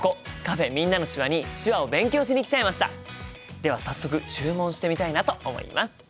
では早速注文してみたいなと思います。